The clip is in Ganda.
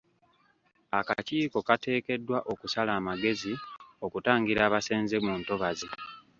Akakiiko kateekeddwa okusala amagezi okutangira abasenze mu ntobazi.